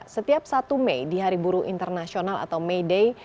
setiap satu mei di hari buruh internasional atau may day